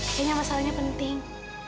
kayaknya masalahnya penting